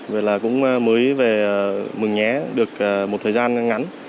vậy là cũng mới về mừng nhé được một thời gian ngắn